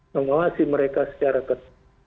mengawasi mereka secara ketat